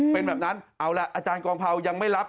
เป็นแบบนั้นเอาล่ะอาจารย์กองเผายังไม่รับ